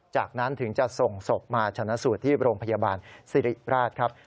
จากนั้นถึงจะส่งศพมาชนะสูตรที่โรงพยาบาลสิริราชครับ